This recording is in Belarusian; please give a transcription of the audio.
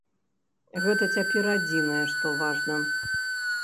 Гэта цяпер адзінае, што важна.